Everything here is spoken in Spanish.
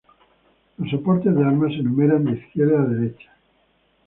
Los soportes de armas se numeran de izquierda a derecha.